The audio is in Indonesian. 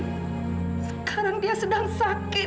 sekarang dia sedang sakit